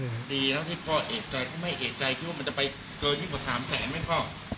ดีนะที่พ่อเอกใจถ้าไม่เอกใจคิดว่ามันจะไปเกินยิ่งกว่าสามแสนไหมพ่อ